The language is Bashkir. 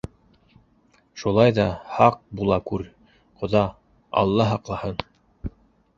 Шулай ҙа һаҡ була күр, ҡоҙа, алла һаҡлаһын.